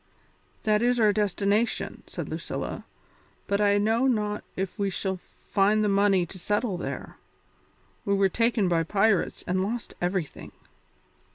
"That is our destination," said Lucilla, "but I know not if we shall find the money to settle there; we were taken by pirates and lost everything."